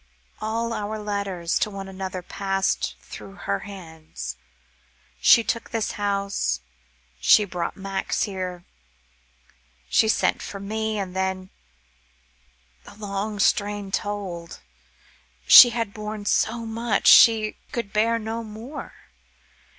All our letters to one another passed through her hands. She took this house; she brought Max here; she sent for me; and then the long strain told. She had borne so much; she could bear no more.